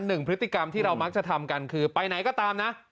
หนึ่งพฤติกรรมที่เรามักจะทำกันคือไปไหนก็ตามนะ